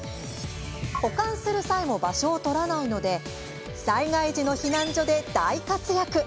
保管する際も場所を取らないので災害時の避難所で大活躍。